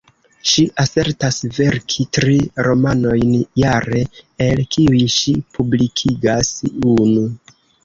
Ŝi asertas verki tri romanojn jare, el kiuj ŝi publikigas unu.